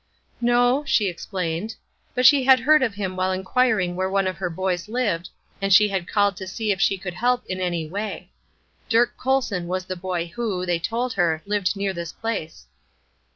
"No," she explained; "but she had heard of him while inquiring where one of her boys lived, and she had called to see if she could help in any way. Dirk Colson was the boy who, they told her, lived near this place."